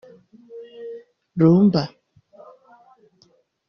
Rumba